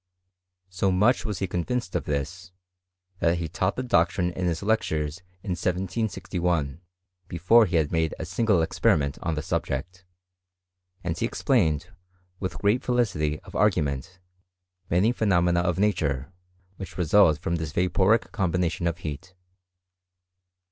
So much was he conyinced of this, that he taught the doctrine in his lectures in 1761, before he had made a single experiment on the subject ; and he explained, with great felicity of ar gument, many phenomena of nature, which result from this vaporific combination of heat.